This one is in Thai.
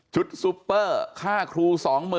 ซุปเปอร์ค่าครู๒๐๐๐